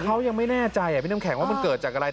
เขายังไม่แน่ใจพี่น้ำแข็งว่ามันเกิดจากอะไร